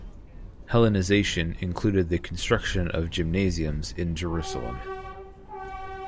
Hellenization included the construction of gymnasiums in Jerusalem.